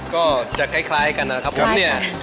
ก็จะคล้ายกันนะครับผมเนี่ย